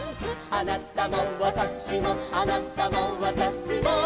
「あなたもわたしもあなたもわたしも」